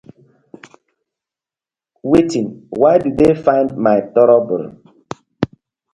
Wetin? Why do dey find my toro?